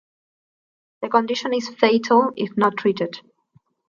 The condition is fatal if not treated.